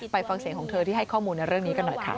ฟังเสียงของเธอที่ให้ข้อมูลในเรื่องนี้กันหน่อยค่ะ